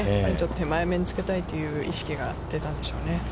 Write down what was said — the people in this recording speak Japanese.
手前めにつけたいという意識が出たんでしょうね。